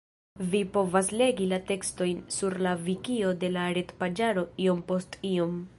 Vi povas legi la tekstojn sur la Vikio de la retpaĝaro Iom post iom.